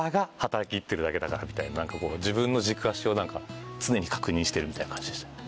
だからみたいな自分の軸足を常に確認してるみたいな感じでしたね。